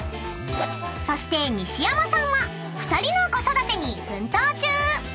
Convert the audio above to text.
［そして西山さんは２人の子育てに奮闘中］